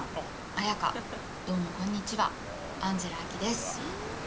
絢香どうもこんにちはアンジェラ・アキです。